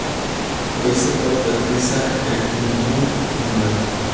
Lo hizo todo deprisa, al tuntún y mal